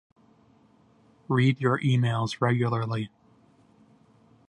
Read your emails regularly